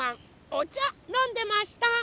おちゃのんでました。